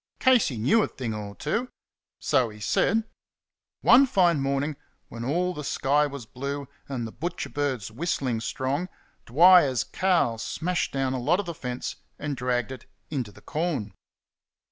Casey knew a thing or two so he said. One fine morning, when all the sky was blue and the butcher birds whistling strong, Dwyer's cows smashed down a lot of the fence and dragged it into the corn.